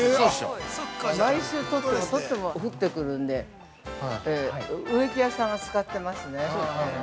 毎週、取っても取っても降ってくるんで植木屋さんが使っていますね。